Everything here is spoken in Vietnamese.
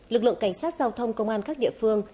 lực lượng cảnh sát giao thông công an các địa phương